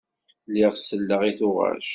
Lliɣ selleɣ i tuɣac.